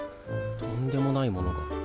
とんでもないものが。